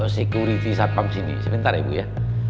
security satpam sini sebentar ya ibu ya